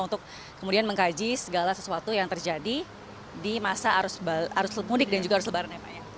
untuk kemudian mengkaji segala sesuatu yang terjadi di masa arus mudik dan juga arus lebaran ya pak ya